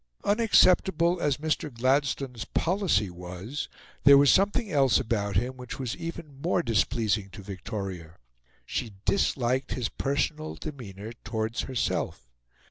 Unacceptable as Mr. Gladstone's policy was, there was something else about him which was even more displeasing to Victoria. She disliked his personal demeanour towards herself.